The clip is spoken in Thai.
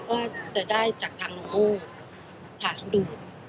ก็จะได้จากทางลงโมขาดดูด